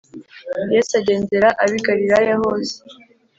Yesu agenderera ab’i Galilaya hose